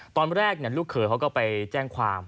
ตอนแรกลูกเขยเขาก็ไปแจ้งความ